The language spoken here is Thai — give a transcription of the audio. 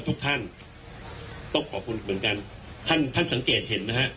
ทุกท่านต้องขอบคุณเหมือนกันท่านท่านสังเกตเห็นนะฮะ